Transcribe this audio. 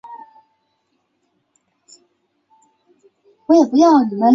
可以证明无限制文法特征化了递归可枚举语言。